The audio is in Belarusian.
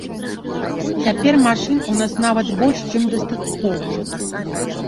Цяпер машын у нас нават больш, чым дастаткова.